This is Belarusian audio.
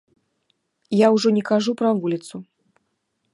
Я ўжо не кажу пра вуліцу.